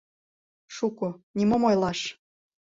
Шуко, нимом ойлаш!